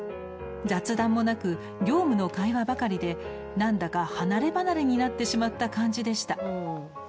雑談もなく、業務の会話ばかりでなんだか離れ離れになってしまった感じでした。